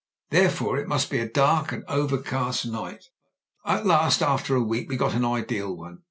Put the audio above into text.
Therefore, it must be a dark and overcast night' "At last, after a week, we got an ideal one.